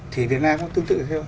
thì việt nam cũng tương tự như thế